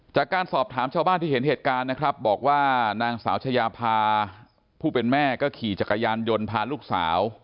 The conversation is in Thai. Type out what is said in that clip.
จากการสอบถามชาวบ้านที่เห็นเหตุการณ์นะครับบอกว่านางสาวชายาพาผู้เป็นแม่ก็ขี่จักรยานยนต์พาลูกสาว